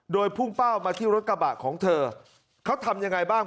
โดยพุ่งเป้ามาที่รถกระบะของเธอเขาทำยังไงบ้าง